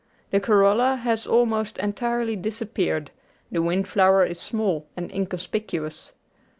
The corolla has almost entirely disappeared, the wind flower is small and inconspicuous.